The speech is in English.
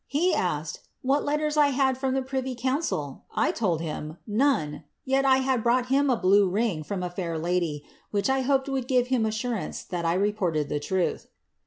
He asked, ^ What letters I had from the privy council ?' I told him ^ None ; yet had 1 brought him a blue ring from a fair lady, which I hoped would give him assurance that I reported the truth.'